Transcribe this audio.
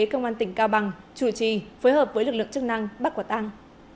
công an tỉnh cao bằng chủ trì phối hợp với lực lượng chức năng bắt quả tăng